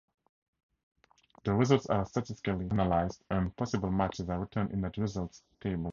The results are statistically analyzed and possible matches are returned in a results table.